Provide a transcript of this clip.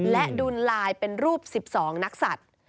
และดูนลายเป็นรูป๑๒นักสัตว์